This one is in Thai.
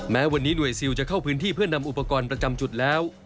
แม้วันนี้หน่วยซิลจะเข้าพื้นที่เพื่อนำอุปกรณ์ประจำจุดแล้ว